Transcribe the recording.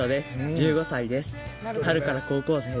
１５歳です。